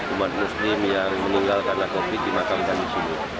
umat muslim yang meninggal karena covid sembilan belas di makam kami sini